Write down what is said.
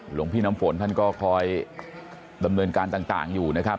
หลวงพี่น้ำฝนท่านก็คอยดำเนินการต่างอยู่นะครับ